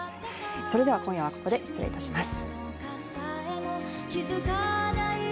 それでは今夜はここで失礼いたします。